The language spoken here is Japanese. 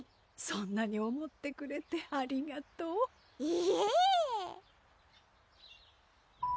そんなに思ってくれてありがとういえ！